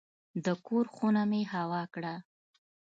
د کور خونه مې هوا کړه.